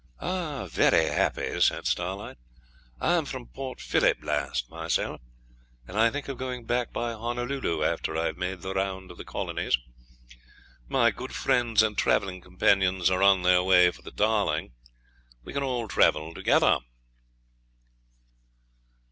'Very happy,' says Starlight. 'I am from Port Phillip last myself, and think of going back by Honolulu after I've made the round of the colonies. My good friends and travelling companions are on their way for the Darling. We can all travel together.'